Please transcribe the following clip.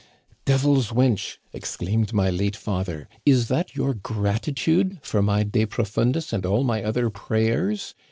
"* Devil's wench !' exclaimed my late father, * is that your gratitude for my de profundis and all my other prayers